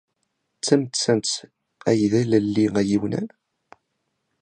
D tamettant ay d allelli ayiwnan?